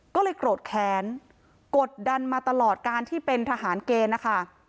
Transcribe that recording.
ก็เลยโกรธแค้นกดดันมาตลอดการที่เป็นทหารเกณฑ์นะคะ